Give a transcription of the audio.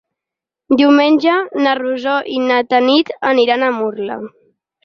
Diumenge na Rosó i na Tanit aniran a Murla.